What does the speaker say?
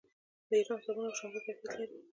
د ایران صابون او شامپو کیفیت لري.